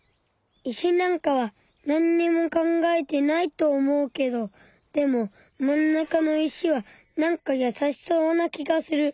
石なんかはなんにも考えてないと思うけどでも真ん中の石はなんか優しそうな気がする。